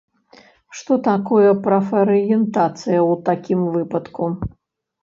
Што такое прафарыентацыя ў такім выпадку?